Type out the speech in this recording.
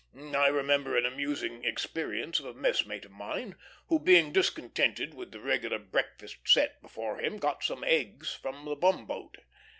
I remember an amusing experience of a messmate of mine, who, being discontented with the regular breakfast set before him, got some eggs from the bumboat.